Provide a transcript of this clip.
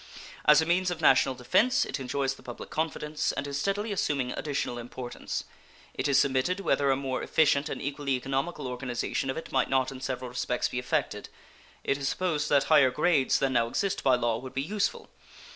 As a means of national defense it enjoys the public confidence, and is steadily assuming additional importance. It is submitted whether a more efficient and equally economical organization of it might not in several respects be effected. It is supposed that higher grades than now exist by law would be useful.